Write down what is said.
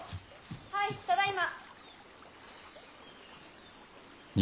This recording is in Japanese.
はいただいま。